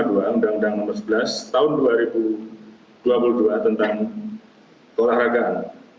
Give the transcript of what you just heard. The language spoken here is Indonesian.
undang undang nomor sebelas tahun dua ribu dua puluh dua tentang keolahragaan